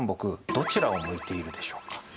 どちらを向いているでしょうか？